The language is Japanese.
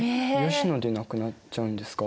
吉野で亡くなっちゃうんですか？